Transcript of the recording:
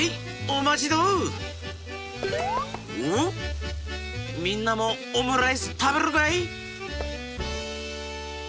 おみんなもオムライスたべるかい？